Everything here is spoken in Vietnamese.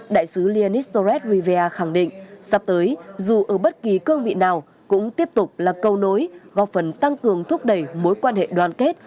đại sứ lenistorest rivea khẳng định sắp tới dù ở bất kỳ cương vị nào cũng tiếp tục là câu nối góp phần tăng cường thúc đẩy mối quan hệ đoàn kết